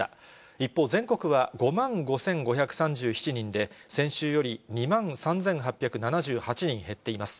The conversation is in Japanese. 一方、全国は５万５５３７人で、先週より２万３８７８人減っています。